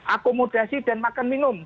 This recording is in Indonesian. akomodasi dan makan minum